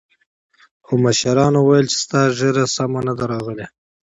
خو مشرانو ويل چې ستا ږيره سمه نه ده راغلې.